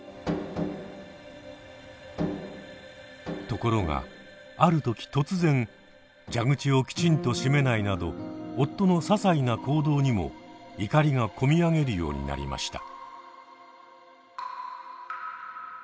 ところがある時突然蛇口をきちんと閉めないなど夫のささいな行動にも怒りが込み上げるようになりました。